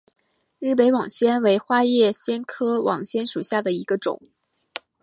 日本网藓为花叶藓科网藓属下的一个种。